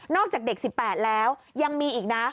จากเด็ก๑๘แล้วยังมีอีกนะ